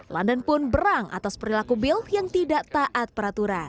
london pun berang atas perilaku bill yang tidak taat peraturan